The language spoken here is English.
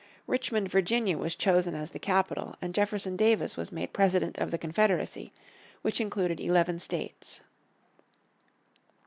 Richmond, Virginia, was chosen as the capital and Jefferson Davis was made President of the Confederacy, which included eleven states.